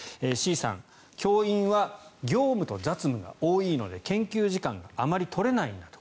Ｃさん教員は業務と雑務が多いので研究時間があまり取れないんだと。